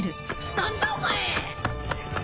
何だお前！